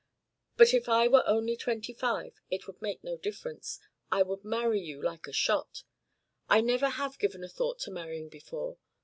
But if I were only twenty five, it would make no difference. I would marry you like a shot. I never have given a thought to marrying before.